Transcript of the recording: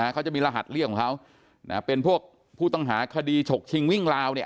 เขาจะมีรหัสเรียกของเขาเป็นพวกผู้ต้องหาคดีฉกชิงวิ่งลาวเนี่ย